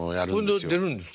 今度出るんですか？